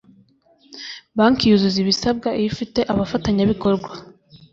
banki yuzuza ibisabwa iyo ifite abafatanyabikorwa